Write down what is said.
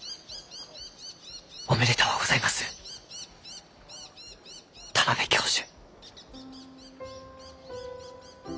おめでとうございます田邊教授。